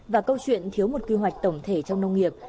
và câu chuyện thiếu một quy hoạch tổng thể trong nông nghiệp